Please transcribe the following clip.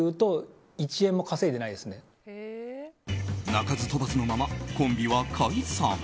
鳴かず飛ばずのままコンビは解散。